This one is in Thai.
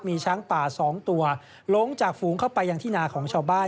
มีช้างป่า๒ตัวลงจากฝูงเข้าไปอย่างที่นาของชาวบ้าน